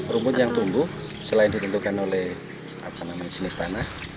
rumput yang tumbuh selain ditentukan oleh jenis tanah